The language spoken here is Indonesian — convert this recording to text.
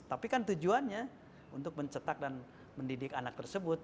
tapi kan tujuannya untuk mencetak dan mendidik anak tersebut